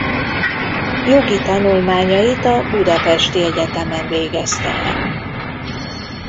Jogi tanulmányait a budapesti egyetemen végezte el.